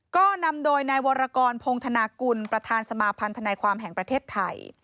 ก็นำโดยนายวรกรพงธนากุลประธานสมาพันธนายความแห่งประเทศไทย